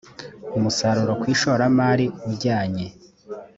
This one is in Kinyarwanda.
umusaruro ku ishoramari ujyanye